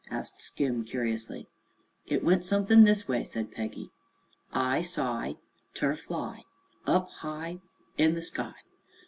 asked Skim curiously. "It went someth'n' this way," said Peggy: "I sigh Ter fly Up high In the sky.